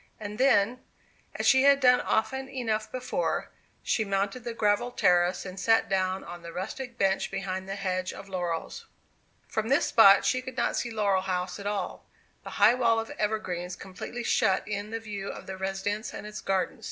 And then, as she had done often enough before, she mounted the gravelled terrace, and sat down on a rustic bench behind the hedge of laurels. From this spot she could not see Laurel House at all. The high wall of evergreens completely shut in the view of the residence and its garden.